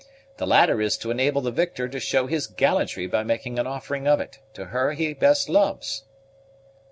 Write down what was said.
The latter is to enable the victor to show his gallantry by making an offering of it to her he best loves."